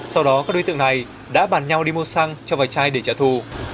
sau đó các đối tượng này đã bàn nhau đi mua xăng cho vài chai để trả thù